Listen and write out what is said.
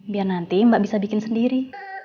biar nanti mbak bisa bikin sendiri